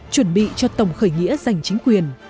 chuẩn bị cho tổng khởi nghĩa giành chính quyền